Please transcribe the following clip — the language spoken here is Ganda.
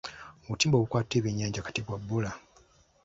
Obutimba obukwata ebyennyanja kati bwa bbula.